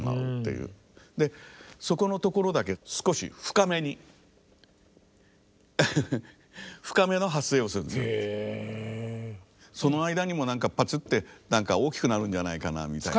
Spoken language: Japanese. でそこのところだけ少しその間にも何かパツって大きくなるんじゃないかなみたいな。